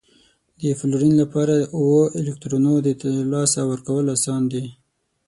د فلورین لپاره اوو الکترونو د لاسه ورکول اسان دي؟